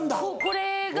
これが。